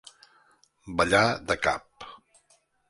Ballar de cap.